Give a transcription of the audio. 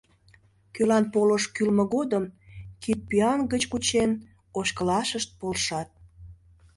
Кӧлан полыш кӱлмӧ годым, кидпӱан гыч кучен, ошкылашышт полшат.